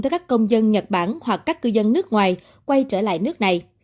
tới các công dân nhật bản hoặc các cư dân nước ngoài quay trở lại nước này